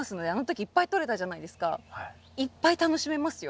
いっぱい楽しめますよ。